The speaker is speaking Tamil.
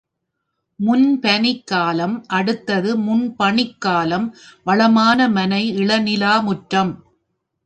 முன்பனிக் காலம் அடுத்தது முன்பணிக் காலம் வளமான மனை இளநிலா முற்றம்.